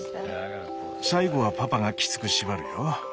最後はパパがきつく縛るよ。